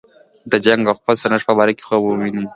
د جنګ او خپل سرنوشت په باره کې خوب ویني.